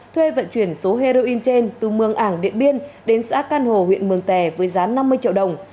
thuê vận chuyển số heroin trên từ mường ảng điện biên đến xã can hồ huyện mường tè với giá năm mươi triệu đồng